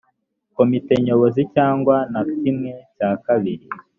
komite nyobozi cyangwa na kimwe cya kabiri